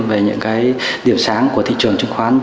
về những điểm sáng của thị trường chứng khoán